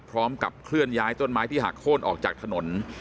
พร้อมกับเคลื่อนย้ายต้นไม้ที่หักโค้นออกจากถนน